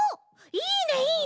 いいねいいね！